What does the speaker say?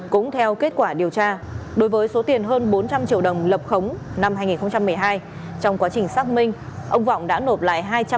cũng theo kết quả điều tra đối với số tiền hơn bốn trăm linh triệu đồng lập khống năm hai nghìn một mươi hai trong quá trình xác minh ông vọng đã nộp lại